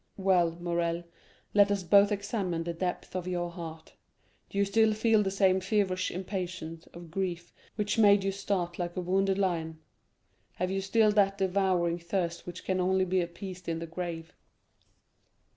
Well, Morrel, let us both examine the depths of your heart. Do you still feel the same feverish impatience of grief which made you start like a wounded lion? Have you still that devouring thirst which can only be appeased in the grave?